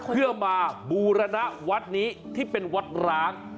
เพื่อมาบูรณะวัดนี้ที่เป็นวัดร้าง